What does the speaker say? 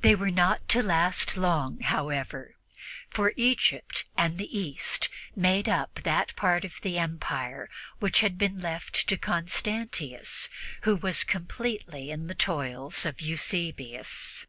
They were not to last long, however, for Egypt and the East made up that part of the Empire which had been left to Constantius, who was completely in the toils of Eusebius.